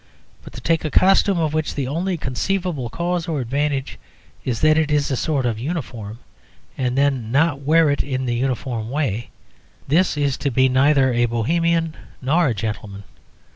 But to take a costume of which the only conceivable cause or advantage is that it is a sort of uniform, and then not wear it in the uniform way this is to be neither a Bohemian nor a gentleman.